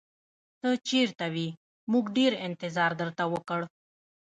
ته چېرته وې؟ موږ ډېر انتظار درته وکړ.